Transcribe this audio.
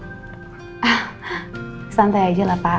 ah santai aja lah pak